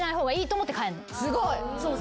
すごい！